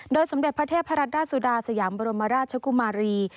สมเด็จพระเทพรัตดาสุดาสยามบรมราชกุมารี